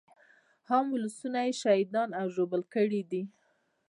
عام ولسونه يې شهیدان او ژوبل کړي دي.